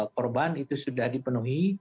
korban itu sudah dipenuhi